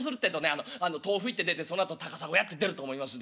あの『豆腐い』って出てそのあと『高砂や』って出ると思いますんで。